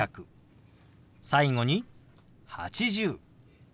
最後に「８０」。